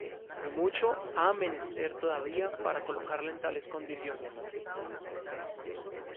De mucho ha menester todavía para colocarla en tales condiciones.